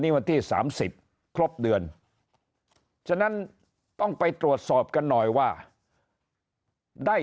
วันที่๓๐ครบเดือนฉะนั้นต้องไปตรวจสอบกันหน่อยว่าได้